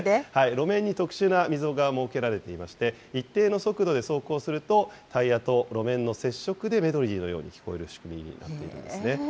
路面に特殊な溝が設けられていまして、一定の速度で走行すると、タイヤと路面の接触でメロディーのように聞こえる仕組みになってるんですね。